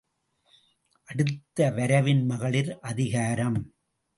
அடுத்து வரைவின் மகளிர் அதிகாரம்.